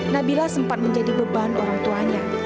nabila sempat menjadi beban orang tuanya